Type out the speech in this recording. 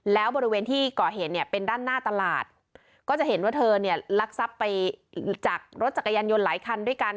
แล้วบริเวณที่ก่อเหตุเนี่ยเป็นด้านหน้าตลาดก็จะเห็นว่าเธอเนี่ยลักทรัพย์ไปจากรถจักรยานยนต์หลายคันด้วยกัน